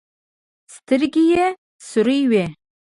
سترګې يې سورې وې.